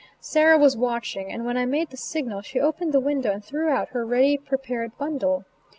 Sarah was watching, and when I made the signal she opened the window and threw out her ready prepared bundle.